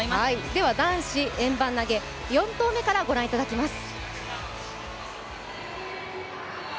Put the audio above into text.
では男子円盤投、４投目からご覧いただきます。